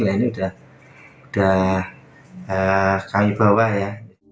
nah ini sudah kami bawa ya